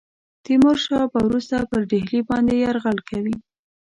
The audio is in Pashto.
تیمور شاه به وروسته پر ډهلي باندي یرغل کوي.